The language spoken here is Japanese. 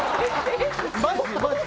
マジマジ。